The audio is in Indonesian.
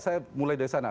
saya mulai dari sana